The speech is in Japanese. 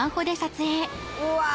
うわ